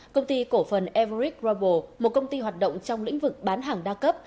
công ty cổ phần everic global một công ty hoạt động trong lĩnh vực bán hàng đa cấp